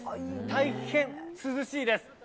大変涼しいです。